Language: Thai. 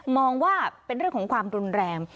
มองว่าเป็นเรื่องของความรุนแรง